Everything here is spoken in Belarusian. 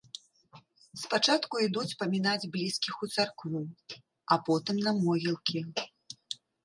Спачатку ідуць памінаць блізкіх у царкву, а потым на могілкі.